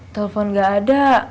telfon gak ada